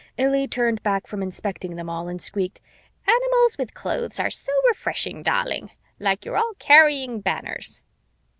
Illy turned back from inspecting them all and squeaked, "Animals with clothes are so refreshing, dahling! Like you're all carrying banners!"